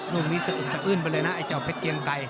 รุ่นนี้สะอื้นไปเลยนะไอ้เจ้าเพชรเกียงใกล้